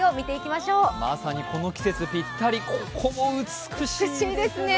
まさにこの季節ぴったり、ここも美しいですね。